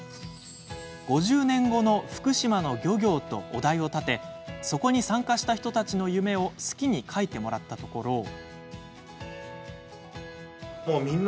「５０年後の福島の漁業」とお題を立てそこに参加した人たちの夢を好きに書いてもらったところ。